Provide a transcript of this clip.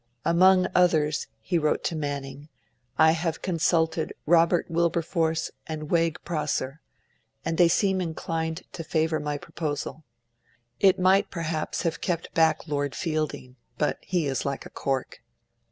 'Among others,' he wrote to Manning, 'I have consulted Robert Wilberforce and Wegg Prosser, and they seemed inclined to favour my proposal. It might, perhaps, have kept back Lord Feilding. But he is like a cork.'